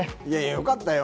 良かったよ。